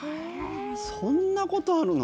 そんなことあるの？